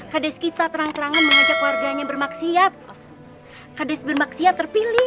hadis kita terang terangan mengajak warganya bermaksiat hadis bermaksiat terpilih